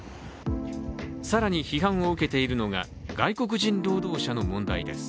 更に批判を受けているのが外国人労働者の問題です。